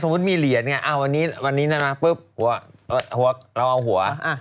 สมมุติมีเหรียญไงวันนี้เราเอาหัว